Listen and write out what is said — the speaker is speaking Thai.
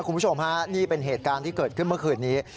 คุณผู้ชมฮะนี่เป็นเหตุการณ์ที่เกิดขึ้นเมื่อคืนนี้